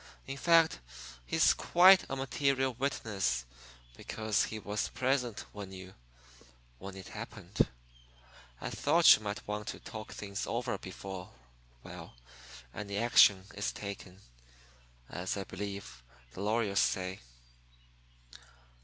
In fact, he's quite a material witness because he was present when you when it happened. I thought you might want to talk things over before well, before any action is taken, as I believe the lawyers say."